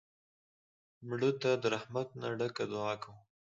مړه ته د رحمت نه ډکه دعا کوو